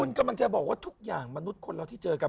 คุณกำลังจะบอกว่าทุกอย่างมนุษย์คนเราที่เจอกัน